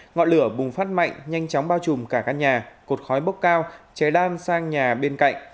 ngọt lửa bùng phát mạnh nhanh chóng bao trùm cả các nhà cột khói bốc cao cháy đam sang nhà bên cạnh